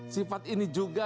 sifat ini juga